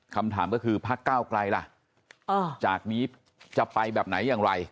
คำถามก็คือพักเก้าไกลล่ะจากนี้จะไปแบบไหนอย่างไร